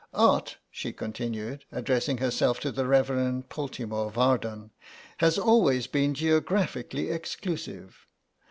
"Art," she continued, addressing herself to the Rev. Poltimore Vardon, "has always been geographically exclusive.